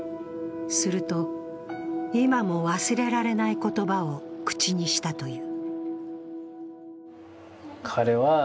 すると今も忘れられない言葉を口にしたという。